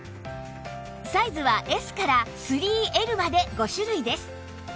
サイズは Ｓ から ３Ｌ まで５種類です